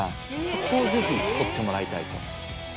そこをぜひ撮ってもらいたいと。